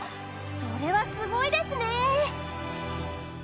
それはすごいですね！